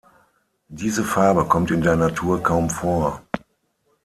Diese Farbe kommt in der Natur kaum vor.